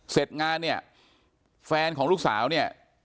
เสร็จงานเนี่ยแฟนของลูกสาวเนี่ย